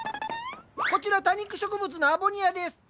こちら多肉植物のアボニアです。